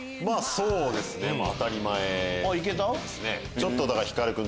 まぁそうですね。